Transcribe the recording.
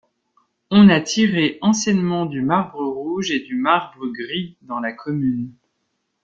On a tiré anciennement du marbre rouge et du marbre gris dans la commune.